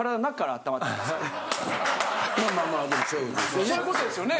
まあまあでもそういうことですよね。